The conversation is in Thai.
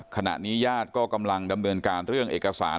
ขณะนี้ญาติก็กำลังดำเนินการเรื่องเอกสาร